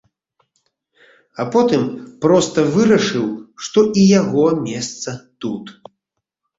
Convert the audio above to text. А потым проста вырашыў, што і яго месца тут.